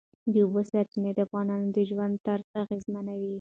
د اوبو سرچینې د افغانانو د ژوند طرز اغېزمنوي.